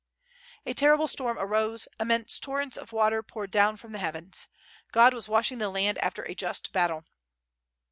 A terrible stonn arose, immense torrents of water poured down from the heavens; "God was washing the land after a just battle."